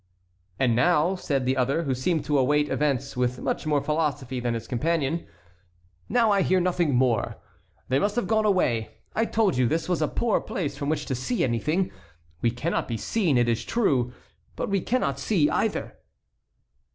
"And now," said the other, who seemed to await events with much more philosophy than his companion, "now I hear nothing more; they must have gone away. I told you this was a poor place from which to see anything. We cannot be seen, it is true; but we cannot see, either."